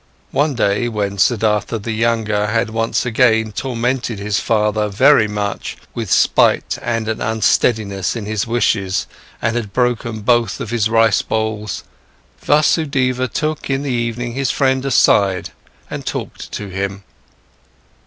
One day, when Siddhartha the younger had once again tormented his father very much with spite and an unsteadiness in his wishes and had broken both of his rice bowls, Vasudeva took in the evening his friend aside and talked to him.